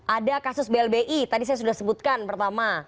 ada kasus blbi tadi saya sudah sebutkan pertama